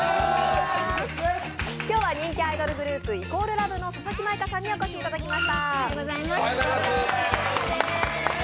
今日は人気アイドルグループ＝ＬＯＶＥの佐々木舞香さんにお越しいただきました。